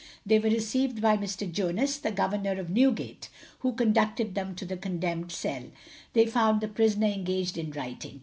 They were received by Mr. Jonas, the governor of Newgate, who conducted them to the condemned cell. They found the prisoner engaged in writing.